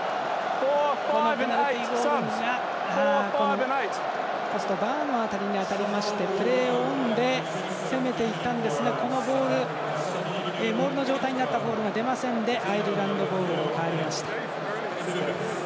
このペナルティゴールがポスト、バーの辺りに当たりましてプレーオンで攻めていったんですがこのボールモールの状態になったボールが出ませんでアイルランドボールになりました。